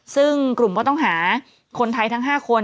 ซึ่งกลุ่มผู้ต้องหาคนไทยทั้ง๕คน